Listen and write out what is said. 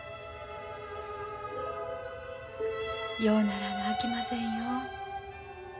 ようならなあきませんよ。